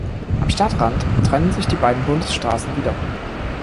Am Stadtrand trennen sich die beiden Bundesstraßen wieder.